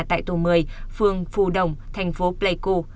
tại tổ một mươi phường phù đồng thành phố pleiku